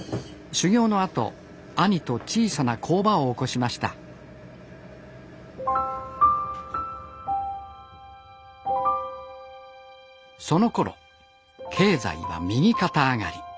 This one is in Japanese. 修業のあと兄と小さな工場を起こしましたそのころ経済は右肩上がり。